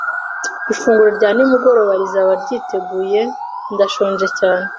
Ifunguro rya nimugoroba rizaba ryiteguye? Ndashonje cyane.